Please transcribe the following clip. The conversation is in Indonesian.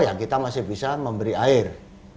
ya kita masih bisa memberi air